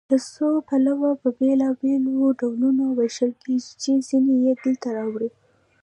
له څو پلوه په بېلابېلو ډولونو ویشل کیږي چې ځینې یې دلته راوړو.